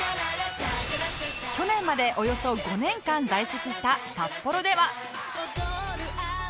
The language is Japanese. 去年までおよそ５年間在籍した札幌では